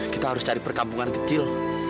kita harus cari perkampungan kecil